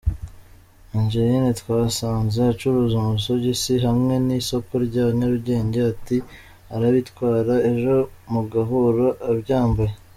Angelina twasanze acuruza amasogisi hamwe n’Isoko rya Nyarugenge ati “Arabitwara ejo mugahura abyambaye.